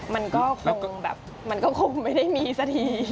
มันก็คงแบบมันก็คงไม่ได้มีสักที